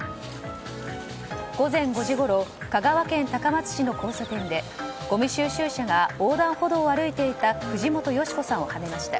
午前５時ごろ香川県高松市の交差点でごみ収集車が横断歩道を歩いていた藤本佳子さんをはねました。